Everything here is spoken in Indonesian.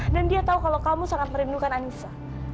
dan dia tahu kalau kamu sangat merindukan anissa